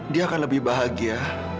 dia akan lebih bahagia